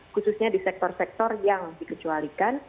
khususnya di sektor sektor yang dikecualikan